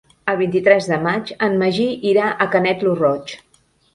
El vint-i-tres de maig en Magí irà a Canet lo Roig.